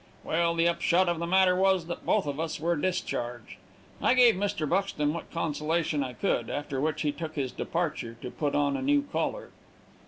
"'Well, the up shot of the matter was that both of us were discharged.' "I gave Mr. Buxton what consolation I could, after which he took his departure to put on a new collar."